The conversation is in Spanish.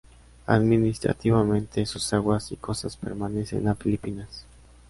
Administrativamente, sus aguas y costas pertenecen a Filipinas.